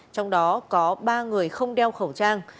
trong đó có ba người không đeo khẩu trang